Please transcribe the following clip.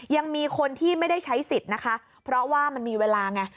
ยังมีคนที่ไม่ได้ใช้สิทธิ์นะคะเพราะว่ามันมีเวลาไง